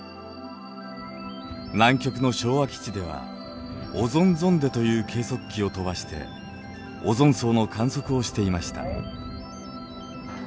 南極の昭和基地ではオゾンゾンデという計測器を飛ばしてオゾン層の観測をしていました。